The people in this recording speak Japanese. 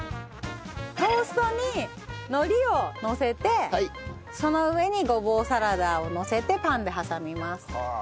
トーストに海苔をのせてその上にごぼうサラダをのせてパンで挟みます。